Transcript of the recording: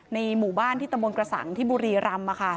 ในหมู่บ้านที่ตะมนต์กระสังที่บุรีรำ